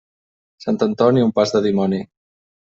Sant Antoni, un pas de dimoni.